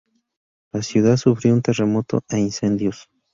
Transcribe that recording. La ciudad sufrió un terremoto e incendios.